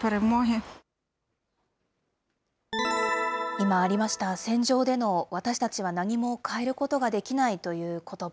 今ありました、戦場での、私たちは何も変えることができないということば。